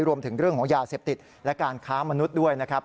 รวมถึงเรื่องของยาเสพติดและการค้ามนุษย์ด้วยนะครับ